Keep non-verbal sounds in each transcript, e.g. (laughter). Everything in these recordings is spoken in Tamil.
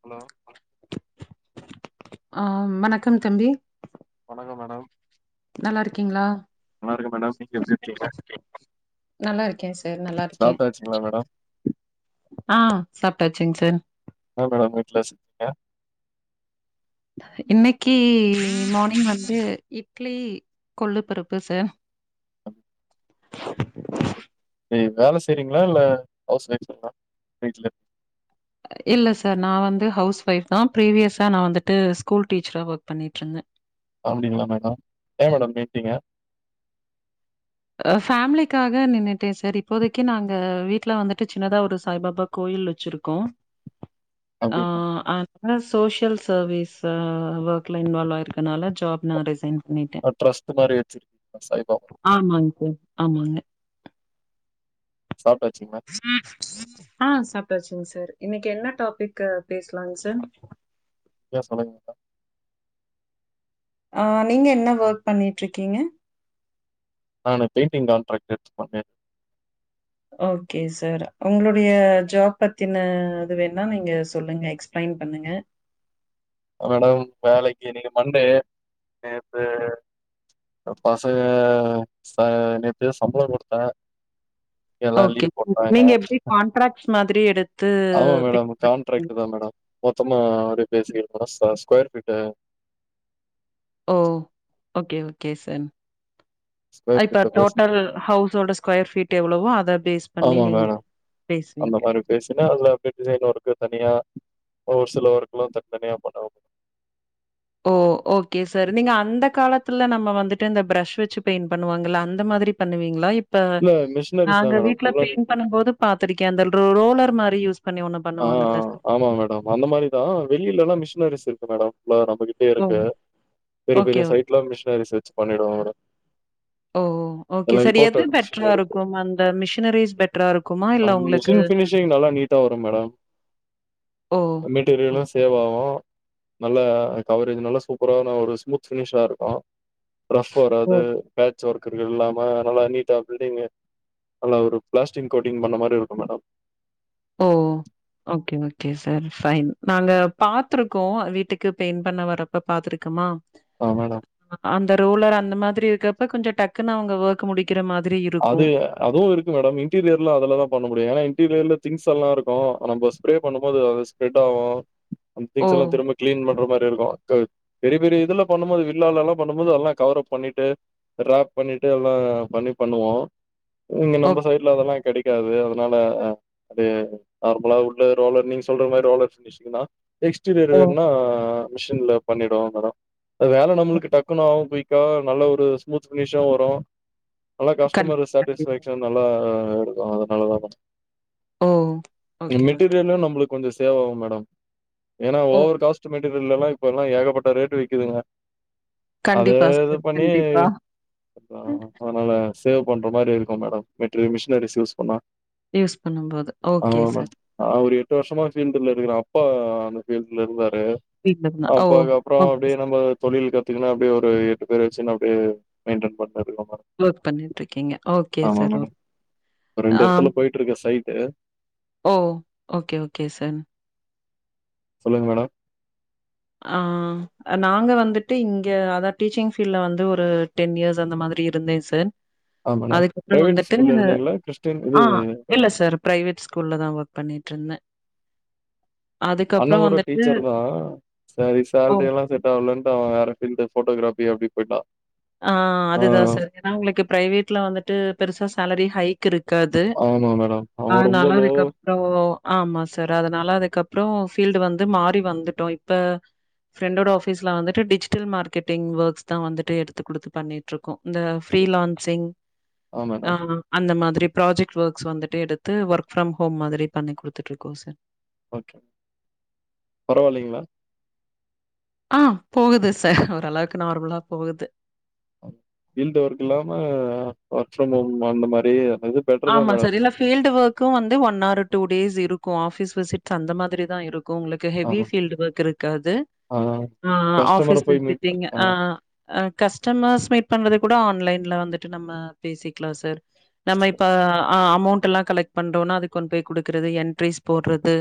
ஹலோ ஆ வணக்கம் தம்பி ஹலோ மேடம் நல்லா இருக்கீங்களா நல்லா இருக்கே மேடம் நீங்க எப்டி இருக்கீங்க நல்லா இருக்கேன் சார் நல்லா இருக்கேன் சாப்ட்டாச்சுங்களா மேடம் ஆ சாப்பிட்டாச்சுங்க சார் ஆ மேடம் வீட்ல எ இன்னைக்கு மார்னிங் வந்து இட்லி கொள்ளு பருப்பு சார் (unintelligible) வேலை செய்றீங்களா இல்ல ஹவுஸ் வைஃபா வீட்ல இல்ல சார் நா வந்து ஹவுஸ் வைஃப் தா ப்ரிவியஸா நா வந்துட்டு ஸ்கூல் டீச்சரா ஒர்க் பண்ணிட்டு இருந்தேன் அப்டிங்களா மேடம் ஏன் மேடம் விட்டிங்க ஃபேமிலிக்காக நின்னுட்டேன் சார் இப்போதைக்கு நாங்க வீட்ல வந்துட்டு சின்னதா ஒரு சாய்பாபா கோயில் வச்சிருக்கோம் அப்டியா ஆ அதனால சோஷியல் சர்வீஸ் ஒர்க்ல இன்வால்வ் ஆயிருக்கனால ஜாப் நா ரிசைன் பண்ணிட்டேன். ஆ டிரஸ்ட் மாரி வெச்சி இருக்கீங்களா சாய்பாபா ம் ஆமாங்க சாப்ட்டாச்சுங்களா ஆ சாப்டாச்சு சார் இன்னைக்கு என்ன டாபிக்கு பேசுலாங்க சார் ஆ சொல்லுங்க்கா ஆ நீங்க என்ன வர்க் பண்ணிட்ருக்கீங்க? நானு பெயிண்டிங் கான்ட்ராக்ட் எடுத்து பண்ணே ஓகே சார் உங்ளுடைய ஜாப் பத்தின இது வேணா இங்க சொல்லுங்க எக்ஸ்பிளைன் பண்ணுங்க மேடம் வேலைக்கு இன்னிக்கி மண்டே நேத்து பசங்க சா நேத்து சம்பள குடுத்தே எல்லா ஓகே லீவ் போட்டாங்க நீங்க எப்டி கான்ட்ராக்ட்ஸ் மாதிரி எடுத்து ஆமா மேடம் பெயின்ட் பண்றீங்ளா லீசுக்கு அர சா square feet oh okay okay sir square இப்ப ஃபீட்ல பேசுன டோட்டல் ஹவுஸ் ஓட ஸ்கொயர்ஃபீட் எவ்ளவோ அத பேஸ் பண்ணி ஆமா நீங்க மேடம். அந்த பேசுவீங்க மாரி பேசினா அதுல அப்டியே டிசைன் ஒர்க்கு தனியா, ஒரு சில வர்க்லா தனிதனியா பண்ணனு ஓ ஓகே சார் நீங்க அந்த காலத்துல நம்ம வந்துட்டு இந்த பிரஷ் வச்சு பெயிண்ட் பண்ணுவாங்கல்ல அந்த மாதிரி பண்ணுவீங்ளா இப் ப இல்ல மிஷினரிஸ் தான் நாங்க மேடம். வீட்ல ஃபுல் அண்ட் பெயிண்ட் பண்ணும் போது பாத்துருக்கே அந்த ரோலர் மாரி யூஸ் பண்ணி ஒண்ணு ஆ பண்ணுவாங்கல்ல. ஆமா மேடம் அந்த மாரிதா வெளிலல்லா மிஷினரிஸ் இரு க்கு மேடம் எல்லா நம்மகிட்ட ஓ! இருக்கு பெரிய ஓகே, பெரிய ஓகே. சைட்லா மிஷினரிஸ் வச்சு பண்ணிடுவோ மேடம் ஓ ஓகே எல்லாம் சார் எது இம்போர்ட்டட் மிஷின் பெட்ரா இருக்கு. இருக்கும் அந்த மிஷினரிஸ் பெட்ரா இருக்குமா இல்ல உங்ளுக்கு ரு மெட்டீரியலு சேவ் ஆவு நல்லா கவரேஜ் நல்லா சூப்பராான ஒரு ஸ்மூத் ஃபினிஷா இருக்கு ரஃப் ஓ! வராது பேட் ச் ஒர்க் எது இல்லாம நல்லா நீட்டா பில்டிங் நல்லா ஒரு பிளாஸ்டிக் கோட்டிங் பண்ண மாரி இருக்கு madam oh okay okay sir fine நாங்க பாத்துருக்கோ வீட்டுக்கு பெயின்ட் பண்ண வரப்ப பாத்துருக்கமா ஆ மேடம். அந்த ரோலர் அந்த மாதிரி இ ருக்குறப்ப கொஞ்ச டக்குன்னு அவுங்க வர்க்கு முடிக்கிற மா அது அதுவு இருக்கு மேடம இன்டீரியர்லா அதுல தா பண்ண முடியு ஏனா இன்டீரியர்ல திங்ஸ் எல்லா இருக்கு நம்ப ஸ்ப்ரே பண்ணும்போது அது ஸ்ப்ரெட் ஆவு ஓ அந்திங்ஸல்லா திரும்ப கிளீன் பண்ற மா ரி இருக்கு பெரிய பெரிய இதல்லா பண்ணும்போது வில்லால்லலா பண்ணும்போது எல்லா கவரப் பண்ணிட்டு போட்டு ராப் பண்ணிட்டு எல்லா பண்ணி பண்ணுவோ இங்க ஓ நம்ம சைட்ல அதெல்லா கெடைக் க்காது அதனால அடே நார்மலா உள்ள ரோலர் நீங்க சொல்ற மாரி ரோலக்ஸ் மிஷிங்கனா எக்ஸ்டீரியர ஓ வேர்னா மிஷின்ல பண்ணிடு வரோ அ வேலை நம்மளுக்கு டக்குனு ஆவு போயி க்கா நல்ல ஒரு ஸ்மூத் பினிஷா வரு நல்லா கஸ்டமர கண்டிப்பா கண்டிப்பா சாட்டிஸ்ஃபேக்ஷ் நல்லா இரு அதுனாலதா பாத் ஓ ஓகே ஓகே. மெட்டீரியலு நம்மளுக் கொஞ்ச சேவ் ஆகு மேடம் ஏன்னா ஓ ஓவரு காஸ்டு மேட் (unintelligible) ல்லா இப்ப எல்லா ஏகப்பட்ட ரேட்டு விக்குதுங்க அதே கண்டிப்பா இது சார் பண்ணி கண்டிப்பா. ஆ ஹா னால சேவ் பண்ற மாரி இருக்கு மேடம் மெட்டல மிஷினரிஸ் யூஸ் பண்ணா யூஸ் பண்ணும போது ஓகே சார் ட்டு வருஷமா ஃபீல்டுல இருக்கிற அப்பா அந்த ஃபீல்டல இருந்தாரு வீட்ல இருந்தா அ ஓ அப்பதுக்குப்புறம ஓகே அப்டியே சார். நம்ம தொழில கத்துங்கன்னா அப்படியடி ஒரு பேரு வச்சுனு அப்டியே மெயின்டேன் பண்ராரு (unintelligible) ஒர்க் பண்ணிட்டு இருக்கீங்க ஓகே சார் ஓக் மேடம் ஆ ஏ ஓ ஓகே ஓகே சார் சொல்லுங்க மேடம் ஆ நாங்க வந்துட்டு இங்க அதா டீச்சிங் ஃபீல்ட வந்து ஒரு டென் இயர்ஸ அந்த மாரி இருந்தே சார் ஆ மேடம் அதுக்கப்புறோ பிரைவேட் வந்துட்டு ஸ்கூல்ல இருந்தீங்களா கிறிஸ்டின் இது அ ஆ இல்ல சார் ப்ரைவேட் ஸ்கூல்லதா ஒர்க் பன்னிட்டு இருந்தே அண்ண அதுக்கப்றோ கூட வந்துட்டு டீச்சர் தா சரி ஓ. சேலரி எல்லா ஸெட்டாவலன்டு அவ வேற ஃபீல்டு ஃபோட்டோகிராஃபிய அப்டிபோய்ட்டா ஆ அதுதா சார் ஏன்னா உங்களுக்கு பிரைவேட்ல வந்துட்டு பெருசா சாலரி ஹைக் இருக் க்காது ஆமா மேடம் அவ ரொம்ப அதனால லோ அதுக்கப்றோ ஆமா சார் அதனால அத கப்பறம் பீல்டு வந்து மாறி வந்துட்டோ இப்ப ஃபிரெண்டோட ஆபீஸ்ல வந்துட்டு டிஜிட்டல் மார்க்கெட்டிங் ஒர்க்ஸ் தா வந்துட்டு எடுத் து குடுத்து பண்ணிட்ருக் கோ இந்த ஃபிரிலான்சிங் ஆ அந்த மாதிரி ப்ராஜெக்ட் ஒர்க்ஸ் வந்துட்டு எடுத்து ஒர்க் ஃரம் ஹோம் மாதிரி பண்ணி குடுத்துட்டு இருக்கோம் சார் ஒகே பரவால்லிங்களா ஆ போகுது சார் ஓரளவுக்கு நார்மலா போகுது பீல்டு ஒர்க் இல்லாம ஒர்க் ஃப்ரம் ஹோம் அந்த மாரி அது பெட்டர் தா ஆமா மேடம் சார் இல்ல பீல்டு ஒர்க்கும் வந்து ஒன் ஆரு டூ டேஸ் இருக் கும் ஆபிஸ் விசிட்ஸ் அந்த மாதிரிதா இருக் கும் உங்களுக்கு ஹெவி ஆமா பீல்ட ஒர்க் இருக்காது ஆ ஆ கஸ்டமர ஆபீஸ் போய் மீட் பண் விசிட்டிங் ஆ கஸ்டமர்ஸ் மீட் பண்றது கூட ஆன்லைன் ல வந்துட்டு நம்ம பேசிக்கிளா சார் நம்ம சரி. இப் ஆ ஆ அமௌண்ட் எல்லாம் கலெக்ட் பண்றோனா அதுக்கு கொண் போய் குடுக்குறது என்ட்ரிஸ் போட்றது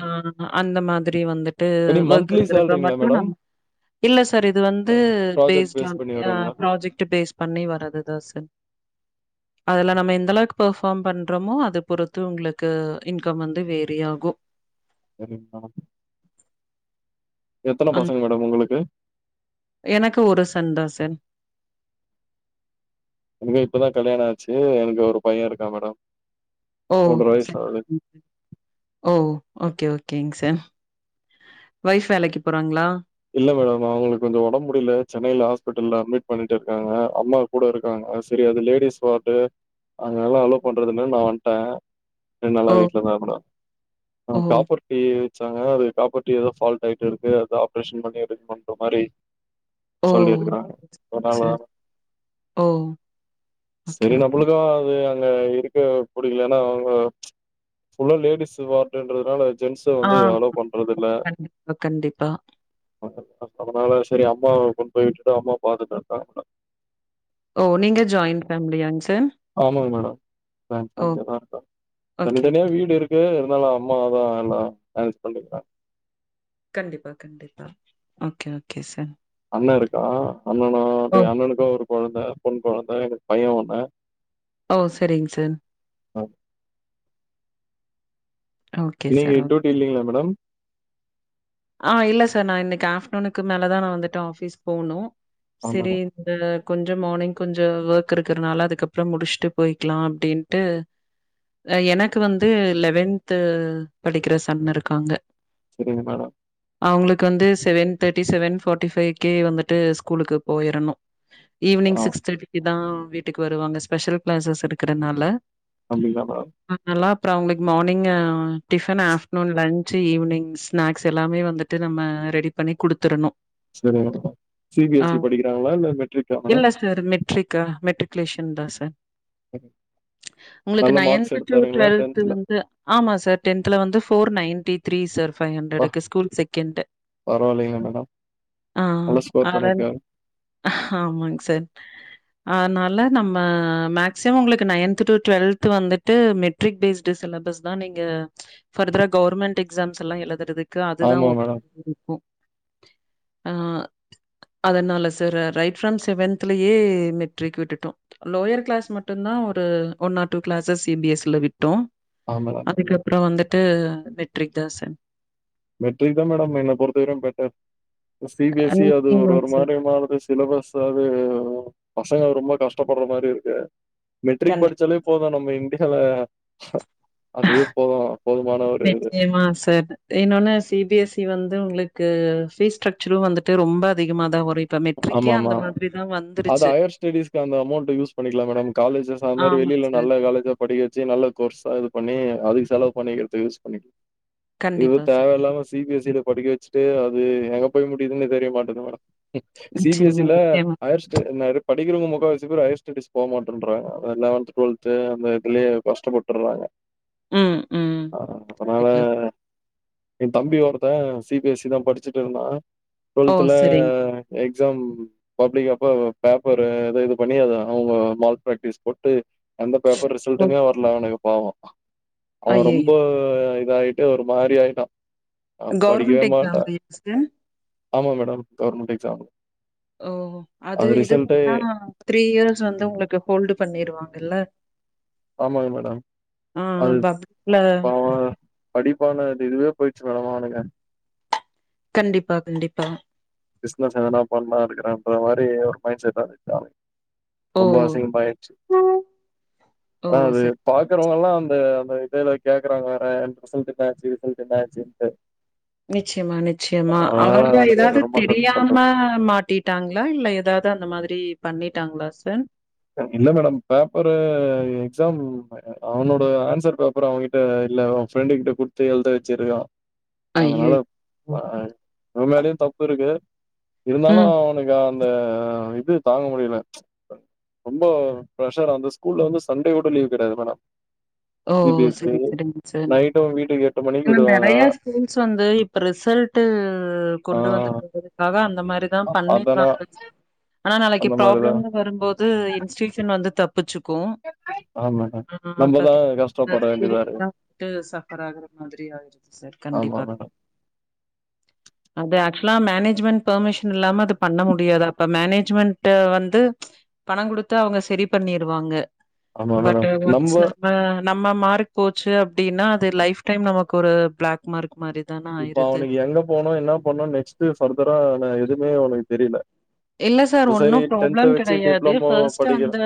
ஆ அந்த மாதிரி வந்து ட்டு எனி ஒர்க் மந்த்லி இருக்கறத சேலரிங்களா மட்டும் மேடம் நம்ம இல்ல சார் இது வந்து ப்ராஜெக்ட் பேஸ்டு பேஸ் ஆன் பண்ணி ஆ வருங்களா ப்ராஜெக்ட்டு பேஸ் பண்ணி வரதுதா சார் அதுல நம்ம எந்த அளவுக்கு பர்ஃபார்ம் பண்றோமோ அது பொறுத்து உங்களுக்கு இன்கம் வந்து வேரி ஆகும் சரிங்க மேடம் எத்தன அந்த பசங்க மேடம் உங்களுக்கு எனக்கு ஒரு சன் தா சார் எனக்கு இப்பதான் கல்யாணம் ஆச்சி எனக்கு ஒரு பையன் இருக்கா மேடம் ஓ மூன்ற வயசு ஆகுது சரி ஓ ஓகே ஓகேங் சார் ஒய்ஃப் வேலைக்கு போறாங்களா இல்ல மேடம் அவங்களுக்கு கொஞ்சம் ஒடம் முடில சென்னைல ஹாஸ்பிட்டல்ல அட்மிட் பண்ணிட்டு இருக்காங்க அம்மா கூட இருக்காங்க சரி அது லேடிஸ் வார்டு அங்க எல்லாம் அலோ பண்றதில்லன்னு நா வண்ட்டன் ரெண்டு நாளா ஓ! வீட்ல தா இருந்தன் ஆ ஓ! காப்பர்ட்டி வ ச்சாங்க அது காப்பர்ட்டி எதோ ஃபால்ட் ஆயிட்டு இருக்கு அது ஆப் ரேஷன் பண்ணி எடுக்கனு இன்ற மாரி ஓ! சொல்லி இருக்கறாங்க சரிங்க அதனால சார். ஓ! ஓகே, செரி ஓகே. நம்பளுக்கு அது க இருக்கவே புடிக்கலனா அவுங்க ஃபுல்லா லேடிஸ் வார்டுன்றதுனால ஜென்ஸ ஆ வந்து அளோ பண்றது இல்ல கண்டிப்பா, கண்டிப்பா. (inaudible) அதனால செரி அம்மாவா கொண்டு போய் விட்டுட்டு அம்மாவா பாத்துட்டுருக்கன் ஓ நீங்க ஜாயிண்ட் ஃபேமிலியாங் ஆமாங்க மேடம் நாங்க தனியாதா இருக்கோ ஓகே, தனித்தனியா ஓகே. வீடு இருக்கு இருந்தாலு அம்மாதா எல்லா மேனேஜ் பண்ட்டுக்கிறாங்க கண்டிப்பா கண்டிப்பா ஓகே ஓகே சார் அண்ணன் இருக்கான் ஓ! அண்ணனுக்கும் ஒரு கொழந்த பொண் கொழந்த பையன் ஒன்னு ஓ செரிங்க சார் ஓகே நீங்க சார். ஓ டியூட்டி இல்லங்களா மேடம் ஆ இல்ல சார் நா இன்னைக்கு ஆப்டர்நூனுக்கு மேல தா நா வந்துட்டு ஆபீஸ் போகணும் ஆ செரி மேடம் இந்த கொஞ்சம் மார்னிங் கொஞ்சம் ஒர்க் இருக்கிறதுனால அதுக்கப்றோ முடிச்சுட்டு போயிக்கலாம் அப்டின்ட்டு எனக்கு வந்து லெவன்து படிக்கிற சன் இருக்காங்க சரிங்க மேடம் அவங்களுக்கு வந்து seven thirty seven forty five K வந்துட்டு ஸ்கூலுக்கு போயிரணும் ஈவினிங்‌ ஆ சிக்ஸ்தேட்டிக்கு தா வீட்டுக்கு வருவாங்க ஸ்பெஷல் கிளாசஸ் இருக்கிறதுனால கண்டிப்பா மேடம் அப்றோ அவுங்களுக்கு morning tiffin afternoon lunch evening snacks எல்லாமே வந்துட்டு நம்ம ரெடி பண்ணி குடுத்துருறணும் செரிங்க madam C B S E படிக்கிறாங்களா இல்ல மெட்ரிக்கா மேடம் லேஷன் தா சார் உங்களுக்கு நல்ல மார்க்ஸ் நைன்து டு எடுத்தாருங்களா டுவல்த் டென்த்ல வந்து ஆமா சார் டென்த்துல வந்து போர் நையன்டி த்ரி சார் அப்பா (unintelligible) ஸ்கூல் செகண்ட்டு பரவாயில்லைங்க மேடம் அ நல்ல ஸ்கோர் பண்ணிருக்காரு ஆமாங் சார் அனால நம்ம மக்சிமம் உங்களுக்கு நைன் டு டுவல்த் வந்துட்டு மெட்ரிக் வேஸ்ட் சிலபஸ் தா நீங்க பர்தர்ரா கவர்மெண்ட் எக்ஸாம் எல்லா எழுதுறது க்கு அது தா ஆமா மேடம் ஒக்கேவ இருக்கும் ஆ அதனால சார் ரைட் ஃபார்ம் செவன்த்துலயே மெட்ரிக் விட்டுட்டோம் லோவர் கிளாஸ் மட்டும் தா ஓரு one or two classes C B S இல விட் டோம் ஆ மேடம் அதுக்கப்றோ வந்து ட்டு மெட்ரிக் தா சார் மெட்ரிக் தா மேடம் என்ன பொருத்தவரைக்கும் better C B S C அது ஒரு நிச்சயமா ஒரு சார். மாரி மாறுது சிலபஸ் அது பசங்க ரொம்ப கஷ்டப்படுற மாரி இருக்கு மெட்ரிக் கண்டிப்பா. படிச்சாலே போதும் நம்ம (unintelligible) அதுவே போதும் போதுமான ஒரு நிச்சயமா சார் இன்ன ஒன்னு சி பி எஸ் சி வந்து உங்களுக்கு பீஸ் ஸ்ட்ரக்சரும் வந்துட்டு ரொம்ப அதிகமா தா வரும் இப்ப மெட்ரிக்கே ஆமா அந்த ஆமா மாதிரி தான் அது வந்துருச்சு. ஹையர் ஸ்டெஸ்க்கு அந்த அமௌண்ட் யூஸ் பண்ணிக்கலாம் மேடம் காலேஜஸ் அந்த மாரி ஆமா வெளில சார். நல்ல காலேஜா படிக்க வச்சு நல்ல கோர்ஸா இது பண்ணி அதுக்கு செலவு பண்ணிக்கறத்துகு யூஸ் பண்ணிக்லா இது கண்டிப்பா சார். தேவையில்லாம சி பி எஸ் சி ல படிக்க வச்சுட்டு அது எங்க போய் முடியுதுன் தெரிய மாட்டிது madam C B S C நிச்சயமா, ல நிச்சயமா. ஹயர்ஸ்டு இந்நேர படி சீக்கரமா முக்காவாசி பேர் ஹயர்ஸ் ஸ்டெடிஸ் போ மாட்டேன்றாங்க லெவன் டுவல்து அந்த இதுலயே கஷ்டப்பட்டுறாங்க ம் ம் வீட்ல ஏ தம்பி ஒருத்தே சி பி எஸ் சி தான் படிச்சிட் இருந்தா ஓ! டூவெல்துல சரிங்க சார். எக்ஸாம் பப்ளிக் அப்போ பேப்பரு இது பண்ணி அத அவங்க மார்க் பிராக்டிஸ் போட்டு எந்த பேப்பர் ஓ! ரிசல்ட்டுமே வரல அவனுக்கு கேவோம் அவன் ரொம்ப ஐயய்யோ! இதாயிட்டு ஒரு மாரி ஆயிட்டான் கவுர்மெண்ட் எக்ஸாம் நெக்ஸ்டு ஆமா மேடம் கவுர்மெண்ட் ஸாம் ஓ அது இது பண்ணா த்ரீ இயர்ஸ் வந்து உங்களுக்கு ஹோல்டு பண்ணிரு வாங்கல்ல ஆமாங்க மேட‌ம் அது பப்ளிக்ல பவ படிப்பானு அது இதுவே போயிச்சு மேடம் அவனுக்கு கண்டிப்பா கண்டிப்பா பிஸ்னஸ் எதனா பண்ணலா அப்டிங்கிற அந்த மாரி ஒரு மைண்ட் செட்ல பேயிட்டான் அவே ஓ! ரொம்ப அசிங்கமா ஆயிச்சு ஓ! ஆ அது சரி. பாக்குறவங்கல்லா அந்த அந்த இதல்லா கேக்குறாங்க வேற ரிசல்ட்டு என்னாச்சு ரிசல்ட்டு என்னாச்சுன்ட்டு நிச்சயமா நிச்சயமா அவங்க நானு அத ஏதாது ரொம்ப ஹெல்ப் பண்றேன். தெரியாம மாட்டிட்டாங்ளா இல் ல ஏதாவுது அந்த மாரி பண்ணிட்டாங்ளா சார் இல்ல மேடம் பேப்பரு எக்ஸாம் அவனோட ஆன்சர் பேப்பர் அவகிட்ட இல்ல அவன் ஃப்ரெண்டு கிட்ட குடுத்து எழுத வச்சுருக்கான் அதுனால ஐயய்யோ! இவன் மேலயு தப்பு இருக்கு இருந்தாலும் ம். அவனுக்கு அந் ஆ இது தாங்க முடியல ரொம்ப பிரஷர் அந்த ஸ்கூல்ல வந்து சண்டே கூட லீவ் கெடையாது மேடம் ஓ சி பி எஸ் இ செரி செரிங்க சார் நைட்டும் வீட்டுக்கு மணிக்கு ஆனா விடுவாங்க. நெறைய ஸ்கூல்ஸ் வந்து இப்ப ரிசல்ட்டு ஆ கொண்டு வந்து கொடுக்கதிற்காக அந்த மாதிரிதான் அதானா பண்ணிவாங்க ஆனா நாளைக்கு அந்த மாரிதான். ப்ராப்ளம்னு வரும்போது இன்ஸ்டிடியூஷன் வந்து தப் பிச்சுக்கும் ஆமா மேடம். ஆனா அத நம்ப பாத் தான் கஷ்டப்பட வேண்டியதா எல்லாத்தையும் இருக்கு. பாத்துட்டு சபர் ஆகுற மாதிரி ஆயிடுச்சு சார் ஆமா கண்டிப்பா மேடம். அது இப்பல்லாம் மேனேஜ்மெண்ட் பெர்மிஷன் இல்லாம அது பண்ண முடியாது அப்ப மேனேஜ்மெண்ட் வந்து பணம் கொடுத்து அவுங்க சரி பண்ணிருவாங்க ஆமா பட் மேடம் நம்ம ஒன்ஸ் நம்ம மார்க் போச்சு அ ப்டினா அது லைஃப் டைம் நமக் ஒரு பிளாக் மார்க் மாரி தானே இப்ப ஆயிருது. அவுனுக்கு எங்க போனும் என்ன பண்ணும்னு நெக்ஸ்ட்டு ஃபர்தரா எது எனக்கு தெரியல இல்ல சார் சரி ஒன்னும் டென்த ப்ராப்ளம் வச்சு கெடையாது டிப்ளமோ ஃப்ர்ஸ்ட் படிக்கிறா அந்த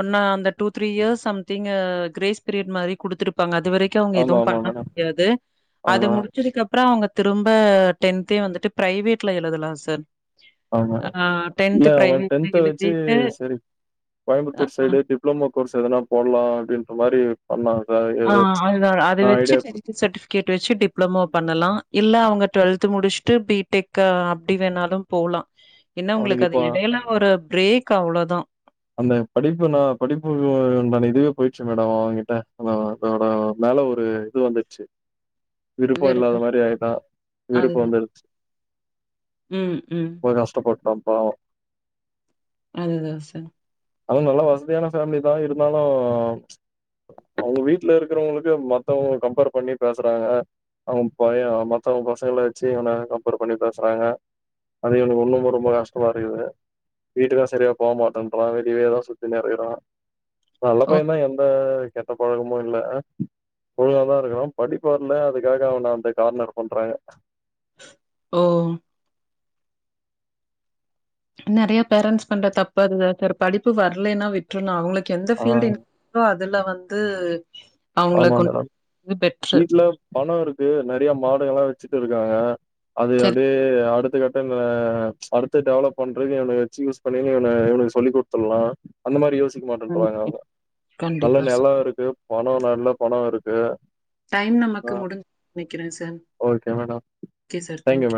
ஒன்னா அந்த two three years something grace period மாதிரி கொடுத்திருப்பாங்க இது வரைக்கும் அவுங்க ஆமா எதுவும் ஆமா பண்ண மேடம் முடியாது அது அதனா முடிச்சதுக்கு அப்புறம் அவுங்க திரும்ப டென்தே வந்துட்டு பிரைவேட்ல எழுதலாம் சார் ஆமா ஆ இல்ல அவன் பிரைவேட்ல டென்த வெச்சு எழுதிட்டு செரி அ கோயம்புத்தூர் சைடு டிப்ளமோ கோர்ஸ் ஏதனா போடலாம் அப்படின்ற மாதிரி பண்ணாங்க ஆ அது வெச்சு டென்த் சர்டிபிகேட் வெச்சு டிப்ளமோ பண்ணலாம் இல்ல அவுங்க டுவெல்த் முடிச்சு ட்டு பீடெக் அப்படி வேணாலும் போவலாம் என்ன அவனுக்கு உங்களுக்கு அது இப்போ இடையில ஒரு பிரேக் அவ்ளோ தான் அந்த படிப்பு நான் படிப்பு நான் இதுவே போயிடுச்சு மேடம் அவன் கிட்ட அ அதோட மேல ஒரு இது வந்துருச்சு விருப்பம் இல்லாத மாரி ஆயிட்டான் வெறுப்பு அதுதான். வந்துடுச்சு ம், ம். போய் கஷ்டப்பட்டான் ஆ அது தா சார் அதுவு நல்ல வசதியான ஃபேமிலி தா இருந்தாலு அவுங் வீட்ல இருக்குறவுங்களுக்கு மத்தவுங்க கம்பேர் பண்ணி பேசுறாங்க அவுங் பைய மத்தவுங்க பசங்கள வச்சு இவன கம்பேர் பண்ணி பேசுறாங்க அது இவனுக்‌ இன்னுமே ரொம்ப கஷ்டமா இருக்குது வீட்டுக்கு சரியா போமாட்டன் றா வெளியதா சுத்தின்னு இருக்குறா நல்ல ஓ பையந்தா எந்த கெட்ட பழக்கமு இல்ல ஒழுங்கா தா இருக்கா படிப்பு வர்ல அதுக்காக அவன அந்த கார்னர் பண்றாங்க ஓ நெறைய பேரண்ட்ஸ் பண்ற தப்பு அதுதா சார் படிப்பு வர்லனா விட்ருனு அவுங்ளுக் கு எந்த ஆ ஃபீல்டிங்கோ அ துல வந்து அவங்கள ஆமா கொண்டு மேடம் பெட்ரு. வீட்ல பணொ இருக்கு நெறைய மாடுகலா வச்சு இருக்காங்க அது சரி. அப்டியே அடு த்த கட்டம்ம அடுத்து டெவலப் பண்றதுக்கு இவன வச்சு யூஸ் பண்ணி இவன இவனுக் சொல்லிக் குட்த்துல்லா அந்த மாரி யோ சிக்க மாட்டென்றாங்க அவுங்க நல்ல கண்டிப்பா. நெல இருக்கு பணொனா நல்ல பணொ இருக்கு டைம் ஆ நமக்கு முடுஞ் நெனக்கிறே sir okay madam okay sir thank you